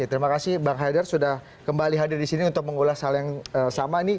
terima kasih bang haidar sudah kembali hadir di sini untuk mengulas hal yang sama ini